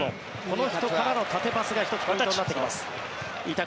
この人からの縦パスが１つ、ポイントになってきます。